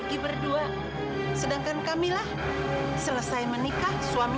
ibu sedih haris sedih sekali